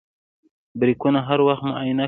بریکونه هر وخت معاینه کړه.